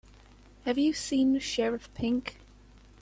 Have you seen Sheriff Pink?